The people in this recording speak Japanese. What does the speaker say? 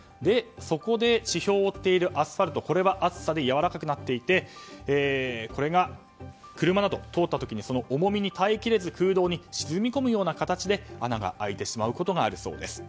そこで、地表を覆っているアスファルト暑さで柔らかくなっていてこれが車などが通った時のその重みに耐えきれず空洞に沈み込む形で穴が開いてしまうことがあるそうです。